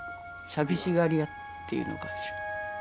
寂しがり屋っていうのかしら。